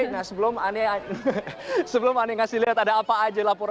nah sebelum ane ngasih lihat ada apa aja